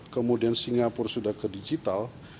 kemudian singapura sudah ke digital